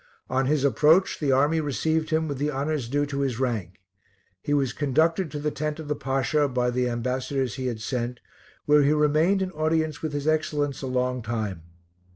On his approach, the army received him with the honors due to his rank. He was conducted to the tent of the Pasha, by the ambassadors he had sent, where he remained in audience with his Excellence a long time.